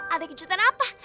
ada kejutan apa